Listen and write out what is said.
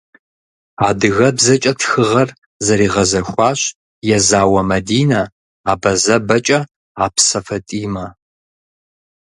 АдыгэбзэкӀэ тхыгъэр зэригъэзэхуащ Езауэ Мадинэ, абазэбэкӀэ - Апсэ ФатӀимэ.